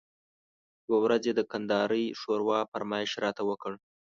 یوه ورځ یې د کندارۍ ښوروا فرمایش راته وکړ.